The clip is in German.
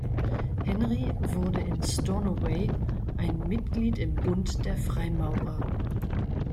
Henry wurde in Stornoway ein Mitglied im Bund der Freimaurer.